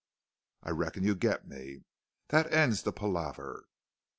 I reckon you get me. That ends the palaver."